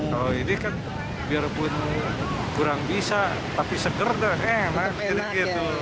kalau ini kan biarpun kurang bisa tapi segar dah enak